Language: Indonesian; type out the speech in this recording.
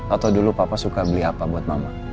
atau dulu papa suka beli apa buat mama